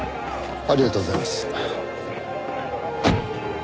ありがとうございます。